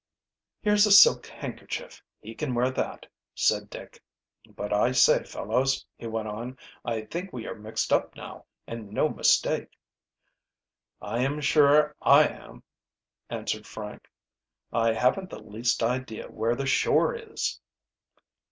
"Here's a silk handkerchief, he can wear that," said Dick. "But I say, fellows," he went on. "I think we are mixed up now and no mistake." "I am sure I am," answered Frank. "I haven't the least idea where the shore is."